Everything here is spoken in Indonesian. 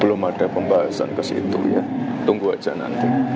belum ada pembahasan ke situ ya tunggu aja nanti